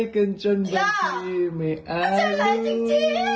มันจะไรจริง